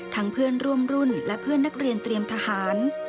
เพื่อนร่วมรุ่นและเพื่อนนักเรียนเตรียมทหาร